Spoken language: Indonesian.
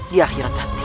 di akhirat nanti